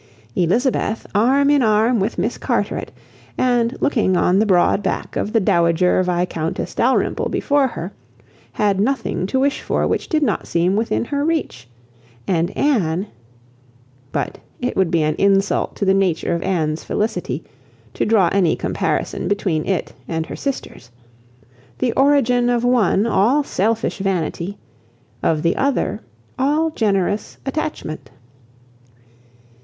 Elizabeth arm in arm with Miss Carteret, and looking on the broad back of the dowager Viscountess Dalrymple before her, had nothing to wish for which did not seem within her reach; and Anne—but it would be an insult to the nature of Anne's felicity, to draw any comparison between it and her sister's; the origin of one all selfish vanity, of the other all generous attachment.